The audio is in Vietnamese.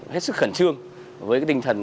hết sức khẩn trương với tinh thần